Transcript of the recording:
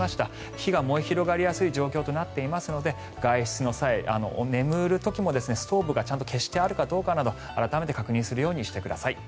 火が燃え広がりやすい状況となっていますので外出の際、眠る時もストーブがちゃんと消してあるかなども改めて確認するようにしてください。